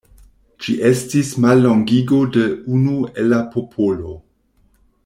Ĝi estis mallongigo de "Unu el la popolo".